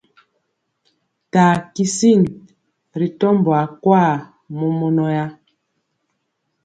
Taa kisin ri tɔmbɔ akwa mɔmɔnɔya.